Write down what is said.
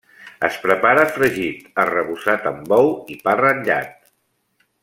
Es prepara fregit, arrebossat amb ou i pa ratllat.